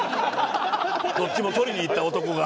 どっちも取りにいった男が。